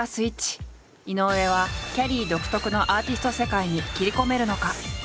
井上はきゃりー独特のアーティスト世界に切り込めるのか？